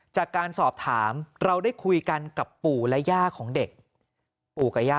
จากการสอบถามเราได้คุยกันกับปู่และย่าของเด็กปู่กับย่า